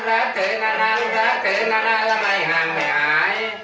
รักเธอนานานรักเธอนานานแล้วไม่ห่างไม่หาย